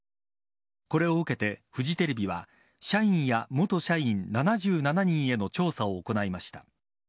これを受けて、フジテレビは社員や元社員７７人への調査を行いました。